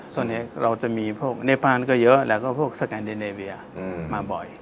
ส่วนนี้เราจะมีพวกเนปานก็เยอะแล้วก็พวกสแกนดินเนเวียมาบ่อย